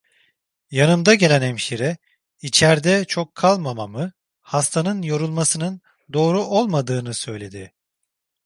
Yanımda gelen hemşire, içerde çok kalmamamı, hastanın yorulmasının doğru olmadığını söyledi.